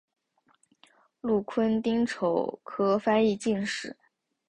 禄坤丁丑科翻译进士。